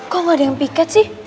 kok gak ada yang piket sih